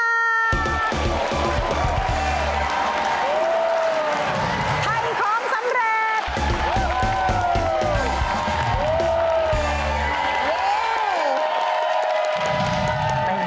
ทำของสำเร็จ